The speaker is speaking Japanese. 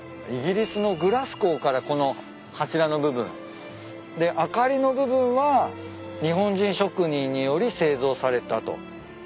イギリスのグラスゴーからこの柱の部分で明かりの部分は日本人職人により製造されたと。